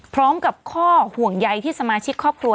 พร้อมกับข้อห่วงใยที่สมาชิกครอบครัว